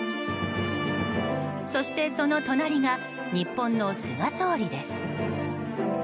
そして、その隣が日本の菅総理です。